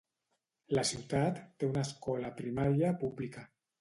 La ciutat té una escola primària pública.